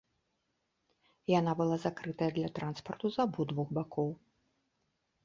Яна была закрытая для транспарту з абодвух бакоў.